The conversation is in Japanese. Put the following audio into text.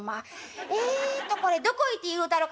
えっとこれどこ行って言うたろかな。